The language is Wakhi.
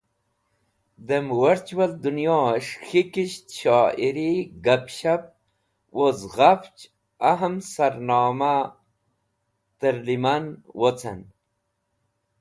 Dem ‘Virtual’ Dunyohes̃h K̃hikisht Shoiri; Gap Shap woz ghafch Ahm Sarnoma (Unwanatver) terliman wocan.